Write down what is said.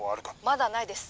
「まだないです」